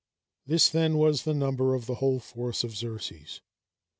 ] This, then, was the number of the whole force of Xerxes.